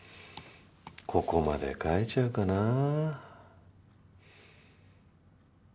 ここまで書いちゃうかなぁ。